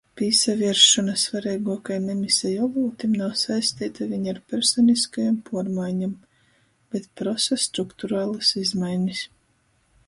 Pīsaviersšona svareiguokajim emiseju olūtim nav saisteita viņ ar personiskajom puormaiņom, bet prosa strukturalys izmainis.